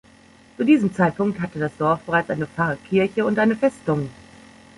Zu diesem Zeitpunkt hatte das Dorf bereits eine Pfarrkirche und eine Festung.